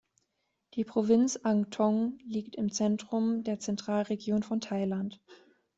Die Provinz Ang Thong liegt im Zentrum der Zentralregion von Thailand.